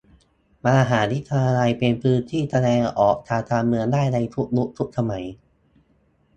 มหาวิทยาลัยเป็นพื้นที่แสดงออกทางการเมืองได้ในทุกยุคทุกสมัย